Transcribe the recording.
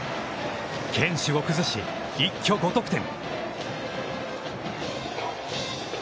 堅守を崩し一挙５得点。